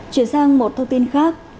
chuyển sang một thông tin khác